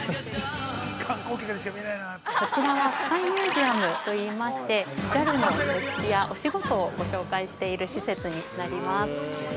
◆こちらはスカイミュージアムといいましてＪＡＬの歴史やお仕事をご紹介している施設になります。